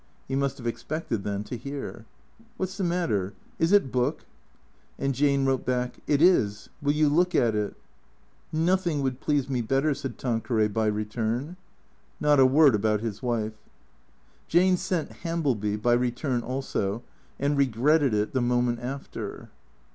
(He must have expected, then, to hear.) " WTiat's the matter ? Is it Book ?" And Jane wrote back, " It is. Will you look at it ?"" Noth ing would please me better," said Tanqueray by return. Not a word about his wife. Jane sent Hambleby (by return also) and regretted it the moment after.